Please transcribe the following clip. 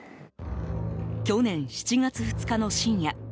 去年７月２日の深夜。